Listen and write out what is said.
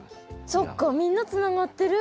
そっかみんなつながってる。